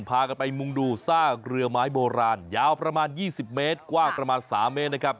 พากันไปมุ่งดูซากเรือไม้โบราณยาวประมาณ๒๐เมตรกว้างประมาณ๓เมตรนะครับ